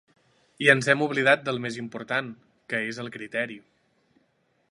I ens hem oblidat del més important, que és el criteri.